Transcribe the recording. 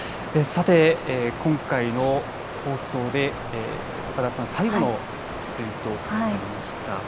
今回の放送で岡田さんは最後の出演となりました。